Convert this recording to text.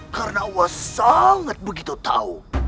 karena ua sangat begitu tahu